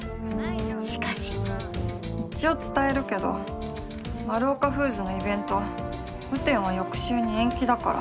しかし一応伝えるけどマルオカフーズのイベント雨天は翌週に延期だから。